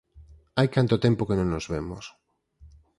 Hai canto tempo que non nos vemos!